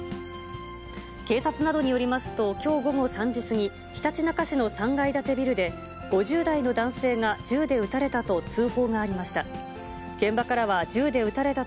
警察などによりますと、きょう午後３時過ぎ、ひたちなか市の３階建てビルで、５０代の男性が銃で撃たれたと通報がありました。